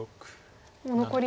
もう残り。